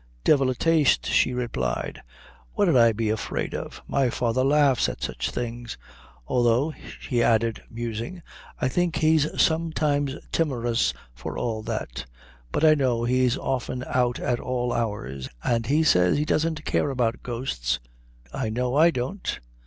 "Divil a taste," she replied; "what 'ud I be afeard of? my father laughs at sich things; although," she added, musing, "I think he's sometimes timorous for all that. But I know he's often out at all hours, and he says he doesn't care about ghosts I know I don't."